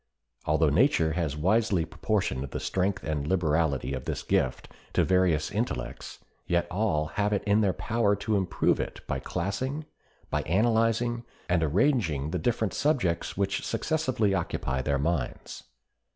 Although nature has wisely proportioned the strength and liberality of this gift to various intellects, yet all have it in their power to improve it by classing, by analyzing and arranging the different subjects which successively occupy their minds.